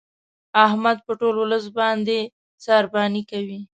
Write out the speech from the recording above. احمد په ټول ولس باندې سارباني کوي.